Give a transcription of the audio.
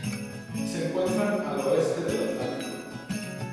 Se encuentran al oeste del Atlántico.